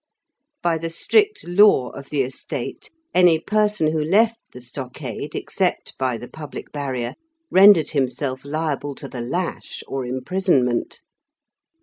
By the strict law of the estate, any person who left the stockade except by the public barrier rendered himself liable to the lash or imprisonment.